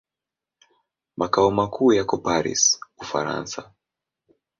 Makao makuu yako Paris, Ufaransa.